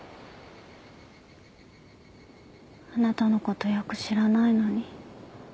あなたのことよく知らないのに。